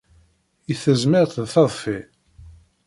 I tezmert d tadfi!